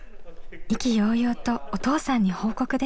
意気揚々とお父さんに報告です。